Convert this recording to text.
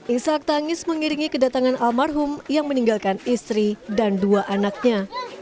isak tangis mengiringi kedatangan almarhum yang meninggalkan istri dan dua anaknya